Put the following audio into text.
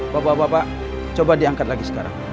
bapak bapak coba diangkat lagi sekarang